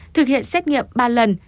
thực hiện xét nghiệm ba lần